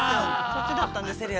そっちだったんです。